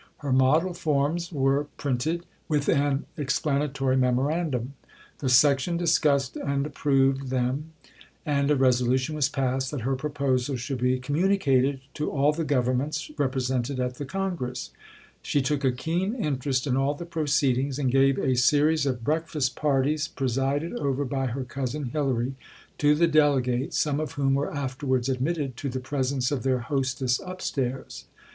Her Model Forms were printed, with an explanatory memorandum; the Section discussed and approved them, and a resolution was passed that her proposals should be communicated to all the Governments represented at the Congress. She took a keen interest in all the proceedings, and gave a series of breakfast parties, presided over by her cousin Hilary, to the delegates, some of whom were afterwards admitted to the presence of their hostess upstairs.